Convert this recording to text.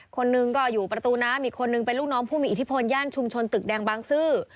คนหนึ่งก็อยู่ประตูน้ำอีกคนนึงเป็นลูกน้องผู้มีอิทธิพลย่านชุมชนตึกแดงบางซื่อ